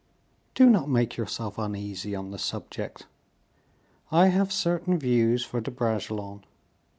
"Do not make yourself uneasy on the subject. I have certain views for De Bragelonne.